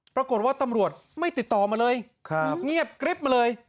ปรากฏว่าตำรวจไม่ติดต่อมาเลยเงียบกริ๊บมาเลย